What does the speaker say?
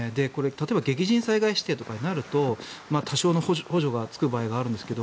例えば激甚災害指定とかになると多少の補助がつく場合があるんですが